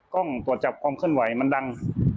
กล้องตรวจจับความเคลื่อนไหวมันดัง